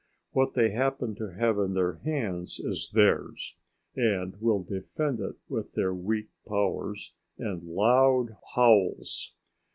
What they happen to have in their hands is theirs and will defend it with their weak powers and loud howls.